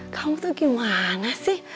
kamu tuh gimana sih